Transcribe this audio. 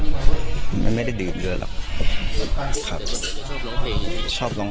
เพลงที่สุดท้ายเสียเต้ยมาเสียชีวิตค่ะ